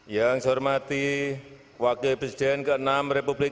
jangan disilahkan duduk kembali